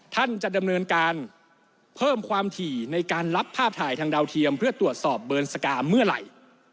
ท่านจะดำเนินการเพิ่มความถี่ในการรับภาพถ่ายทางดาวเทียมเพื่อตรวจสอบเบิร์นสกาเมื่อไหร่